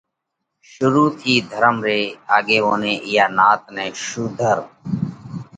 شرُوعات ٿِي ڌرم ري آڳيووني اِيئا نات نئہ شُوڌر